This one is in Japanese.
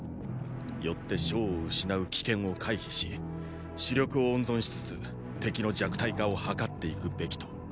よって将を失う危険を回避し主力を温存しつつ敵の弱体化をはかっていくべきと。